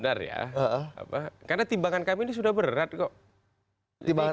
karena pengubahannya sampai sekarang reacting college